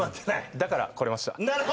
だから来れました。